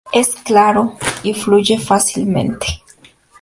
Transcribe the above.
Es claro y fluye fácilmente.